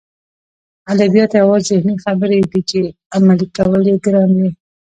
ادبیات یوازې ذهني خبرې دي چې عملي کول یې ګران دي